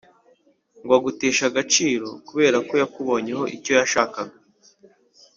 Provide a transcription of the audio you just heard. ngwaguteshe agaciro kuberako yakubonyeho icyo yashakaga.